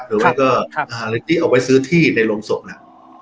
หรือว่าก็ครับหรือว่าก็อาหารที่เอาไว้ซื้อที่ในโรงศพน่ะ